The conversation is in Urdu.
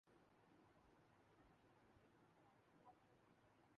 شام ڈھلے ان کا مفہوم بدل جاتا ہے۔